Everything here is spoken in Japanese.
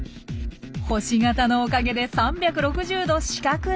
星形のおかげで３６０度死角なし。